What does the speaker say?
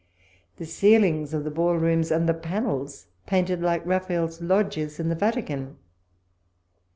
The ceilings of the ball rooms and the panels painted like llaphael's hiqijias in the Vatican.